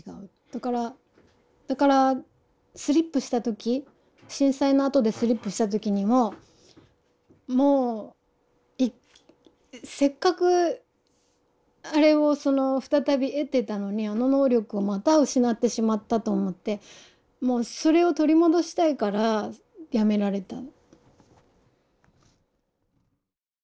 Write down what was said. だからだからスリップした時震災のあとでスリップした時にももうせっかくあれを再び得てたのにあの能力をまた失ってしまったと思ってもうそれを取り戻したいからやめられた。